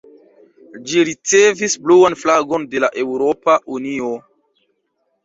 Ĝi ricevis bluan flagon de la Eŭropa Unio.